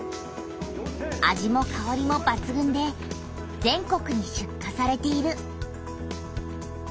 味もかおりもばつぐんで全国に出荷されている。